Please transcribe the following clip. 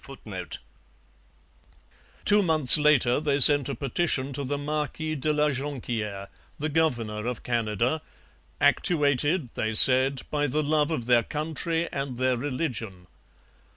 ] Two months later they sent a petition to the Marquis de la Jonquiere, the governor of Canada, actuated, they said, by the love of their country and their religion.